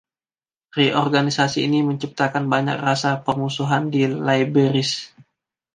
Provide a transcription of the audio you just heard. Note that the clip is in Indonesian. Reorganisasi ini menciptakan banyak rasa permusuhan di Liberec.